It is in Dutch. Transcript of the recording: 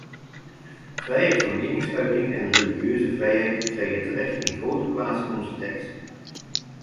Vrijheid van meningsuiting en religieuze vrijheid krijgen terecht een grote plaats in onze tekst.